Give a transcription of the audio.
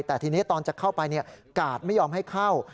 แต่ทีนี้ตอนจะเข้าไปกาดไม่ยอมให้เข้า